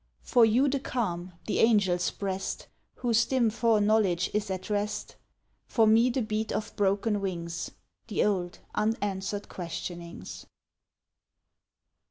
For you the calm, the angel's breast Whose dim foreknowledge is at rest; For me the beat of broken wings The old unanswered questionings.